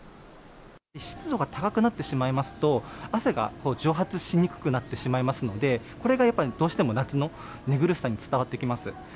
湿度が高くなってしまいますと、汗が蒸発しにくくなってしまいますので、これがやっぱりどうしても夏の寝苦しさにつながってきます。